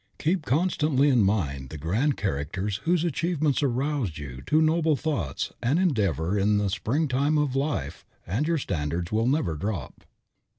Keep constantly in mind the grand characters whose achievements aroused you to noble thoughts and endeavor in the springtime of life and your standards will never drop.